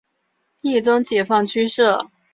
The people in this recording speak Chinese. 冀中解放区设。